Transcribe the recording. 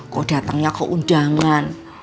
kok datangnya keundangan